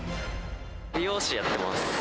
美容師やってます。